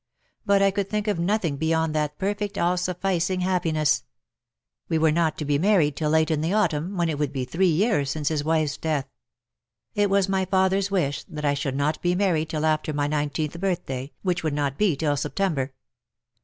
But I could think of nothing beyond that perfect all sufficing happiness. We were not to be married till late in the autumn, when it would be three years since his wife's death. It was my father's wish that I should not be married till after my nineteenth birthday, which would not be till Septem ber.